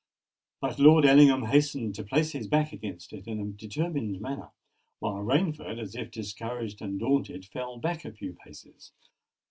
But Lord Ellingham hastened to place his back against it in a determined manner: while Rainford, as if discouraged and daunted, fell back a few paces.